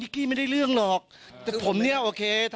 ผมเนี่ยโอเค